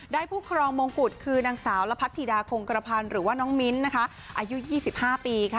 ผู้ครองมงกุฎคือนางสาวละพัทธิดาคงกระพันธ์หรือว่าน้องมิ้นอายุ๒๕ปีค่ะ